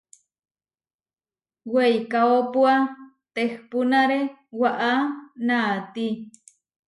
Weikaópua tehpúnare waʼá naati.